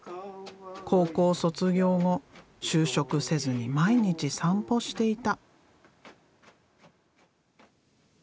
高校卒業後就職せずに毎日散歩していた。